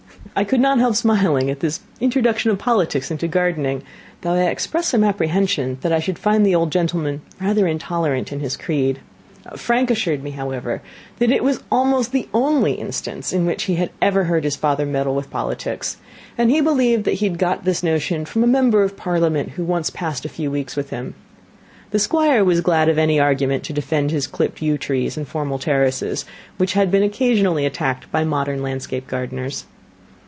I could not help smiling at this introduction of politics into gardening, though I expressed some apprehension that I should find the old gentleman rather intolerant in his creed. Frank assured me, however, that it was almost the only instance in which he had ever heard his father meddle with politics; and he believed that he had got this notion from a member of Parliament who once passed a few weeks with him. The Squire was glad of any argument to defend his clipped yew trees and formal terraces, which had been occasionally attacked by modern landscape gardeners.